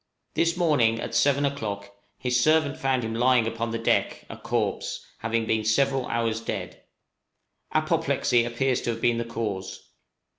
This morning, at seven o'clock, his servant found him lying upon the deck, a corpse, having been several hours dead. Apoplexy appears to have been the cause.